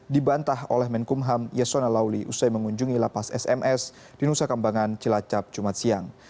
dibantah oleh menkumham yasona lauli usai mengunjungi lapas sms di nusa kambangan cilacap jumat siang